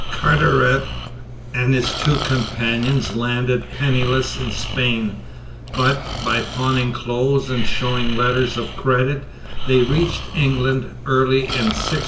Carteret and his two companions landed penniless in Spain, but, by pawning clothes and showing letters of credit, they reached England early in 1666.